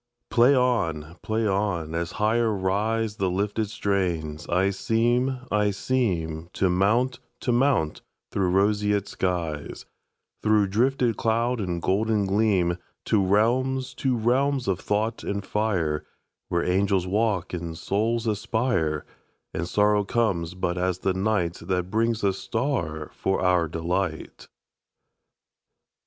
Play on! Play on! As higher riseThe lifted strains, I seem, I seemTo mount, to mount through roseate skies, Through drifted cloud and golden gleam, To realms, to realms of thought and fire, Where angels walk and souls aspire, And sorrow comes but as the nightThat brings a star for our delight.